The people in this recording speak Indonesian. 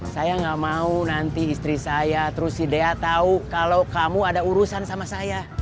saya nggak mau nanti istri saya terus sidea tahu kalau kamu ada urusan sama saya